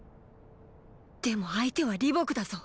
でも相手は李牧だぞ。